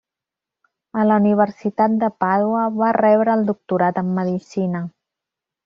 A la Universitat de Pàdua va rebre el doctorat en medicina.